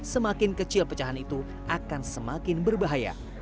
semakin kecil pecahan itu akan semakin berbahaya